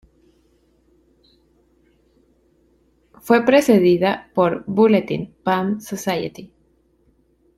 Fue precedida por "Bulletin, Palm Society.